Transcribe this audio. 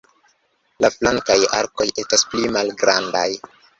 La flankaj arkoj estas pli malgrandaj.